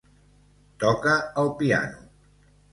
Toca el piano.